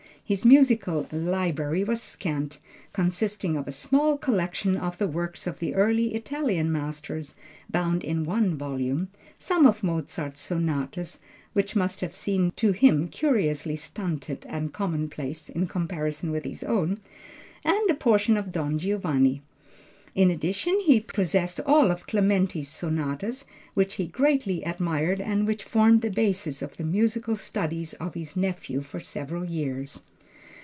His musical library was scant, consisting of a small collection of the works of the early Italian masters, bound in one volume, some of Mozart's sonatas which must have seemed to him curiously stunted and commonplace in comparison with his own and a portion of Don Giovanni. In addition, he possessed all of Clementi's sonatas, which he greatly admired and which formed the basis of the musical studies of his nephew for several years.